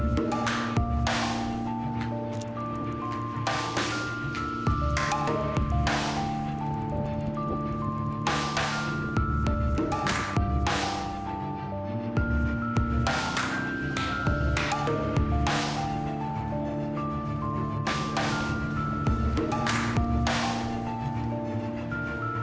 dengan tanda kita adalah